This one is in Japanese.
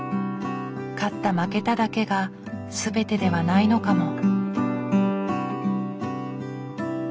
勝った負けただけが全てではないのかも。